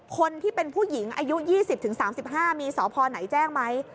คนที่เป็นผู้หญิงอายุ๒๐๓๕มีสพไหนแจ้งไหม